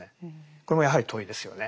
これもやはり問いですよね。